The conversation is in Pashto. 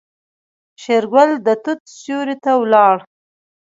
شېرګل د توت سيوري ته ولاړ.